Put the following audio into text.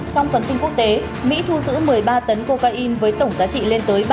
trong phần tin quốc tế mỹ thu giữ một mươi ba tấn cocain với tổng giá trị lên từ ba trăm năm mươi triệu usd